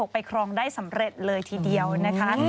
ไปครองได้สำเร็จเลยทีเดียวนะคะ